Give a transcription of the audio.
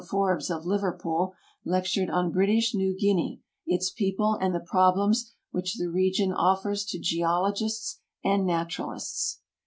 Forbes, of Livei'pool, lectured on British New Guinea, its People, and the Problems which the Region offers to Geologists and Naturalists.